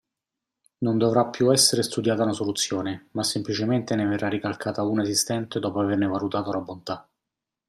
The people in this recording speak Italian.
Non dovrà più essere studiata una soluzione, ma semplicemente ne verrà ricalcata una esistente dopo averne valutato la bontà.